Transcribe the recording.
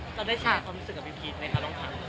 เราได้แชร์ความรู้สึกกับพี่พีชไหมคะลองทำ